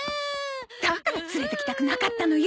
だから連れてきたくなかったのよ！